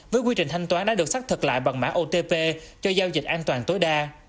với quy trình thanh toán đã được xác thực lại bằng mã otp cho giao dịch an toàn tối đa